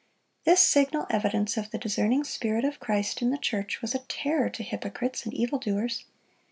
This signal evidence of the discerning Spirit of Christ in the church was a terror to hypocrites and evil doers.